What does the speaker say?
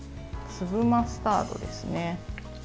粒マスタードですね。